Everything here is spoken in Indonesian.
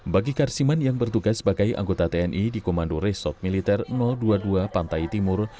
bagi karsiman yang bertugas sebagai anggota tni di komando resot militer dua puluh dua pantai timur